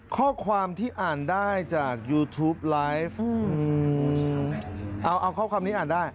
ข้อความที่อ่านได้จากยูทูปไลฟ์เอาเอาข้อความนี้อ่านได้